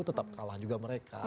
tetap kalah juga mereka